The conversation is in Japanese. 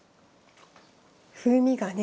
風味がね。